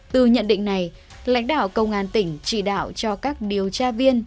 từ nhận định này lãnh đạo công an tỉnh chỉ đạo cho các điều tra viên